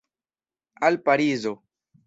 Al Parizo!